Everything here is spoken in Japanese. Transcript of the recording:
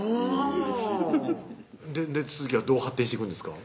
うん次はどう発展していくんですか？